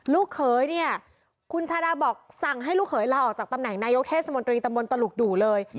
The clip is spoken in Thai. ลูกเขยเนี่ยคุณชาดาบอกสั่งให้ลูกเขยลาออกจากตำแหน่งนายกเทศมนตรีตำบลตลุกดูเลย